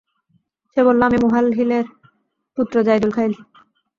সে বলল, আমি মুহালহিলের পুত্র যাইদুল খাইল।